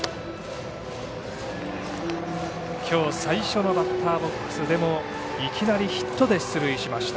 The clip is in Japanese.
きょう最初のバッターボックスでも、いきなりヒットで出塁しました。